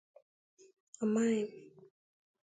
amaghị m.”